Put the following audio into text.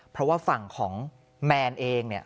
เพราะว่าฝั่งของแมนเองเนี่ย